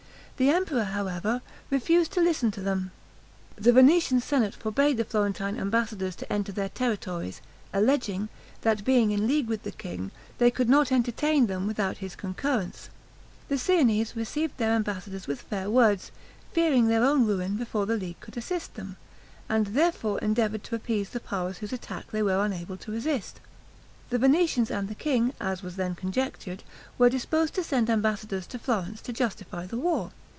The emperor, however, refused to listen to them. The Venetian senate forbade the Florentine ambassadors to enter their territories, alleging, that being in league with the king, they could not entertain them without his concurrence. The Siennese received the ambassadors with fair words, fearing their own ruin before the League could assist them, and therefore endeavored to appease the powers whose attack they were unable to resist. The Venetians and the king (as was then conjectured) were disposed to send ambassadors to Florence to justify the war.